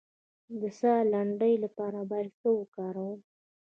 د ساه لنډۍ لپاره باید څه شی وکاروم؟